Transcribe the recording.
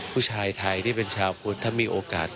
ผู้ชายไทยที่เป็นชาวพุทธถ้ามีโอกาส